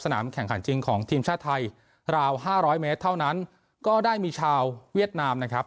แข่งขันจริงของทีมชาติไทยราวห้าร้อยเมตรเท่านั้นก็ได้มีชาวเวียดนามนะครับ